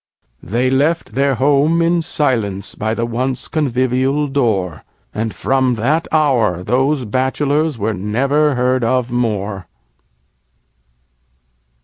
They left their home in silence by the once convivial door; And from that hour those Bachelors were never heard of more.